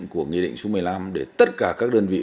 của nghị định số một mươi năm để tất cả các đơn vị